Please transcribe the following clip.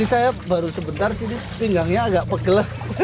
saya baru sebentar sih pinggangnya agak pegel